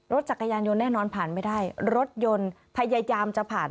จักรยานยนแน่นอนผ่านไม่ได้รถยนต์พยายามจะผ่าน